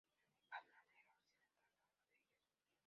El de panadero occidental fue uno de ellos.